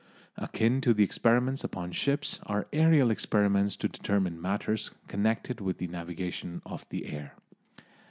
Akin to the experiments upon ships are aerial experiments to determine matters connected with the navigation of the air.